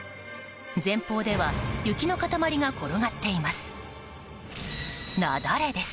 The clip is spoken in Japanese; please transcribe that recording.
前方では雪の塊が転がっています。